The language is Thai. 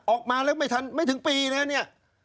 ออกมาไม่ทันไม่ถึงปีใน